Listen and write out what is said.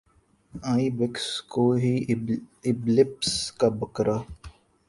آئی backs کوہ Alps کا بکرا